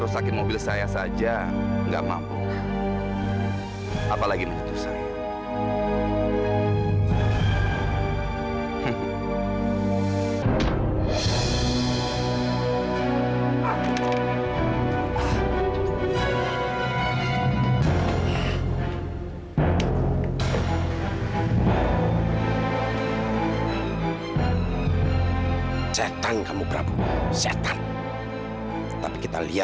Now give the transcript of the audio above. sampai jumpa di video selanjutnya